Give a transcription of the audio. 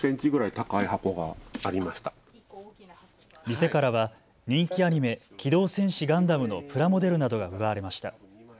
店からは人気アニメ、機動戦士ガンダムのプラモデルなどが奪われました。